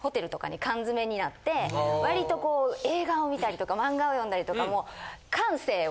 わりとこう映画を観たりとか漫画を読んだりとかもう。